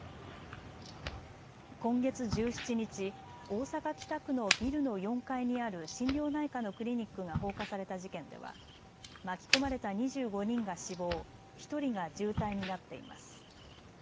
今月１７日、大阪北区のビルの４階にある心療内科のクリニックが放火された事件では巻き込まれた２５人が死亡、１人が重体になっています。